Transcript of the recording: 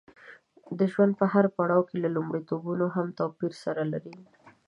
د ژوند په هر پړاو کې لومړیتوبونه هم توپیر سره لري.